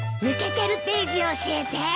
抜けてるページ教えて。